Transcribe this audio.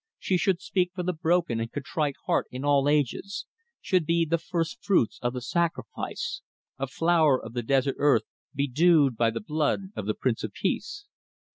She should speak for the broken and contrite heart in all ages, should be the first fruits of the sacrifice, a flower of the desert earth, bedewed by the blood of the Prince of Peace.